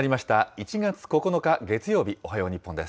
１月９日月曜日、おはよう日本です。